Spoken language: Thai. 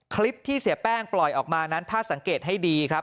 คลิปที่เสียแป้งปล่อยออกมานั้นถ้าสังเกตให้ดีครับ